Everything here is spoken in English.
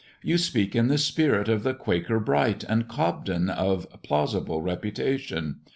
You speak in the spirit of the Quaker Bright, and Cobden of plausible reputation.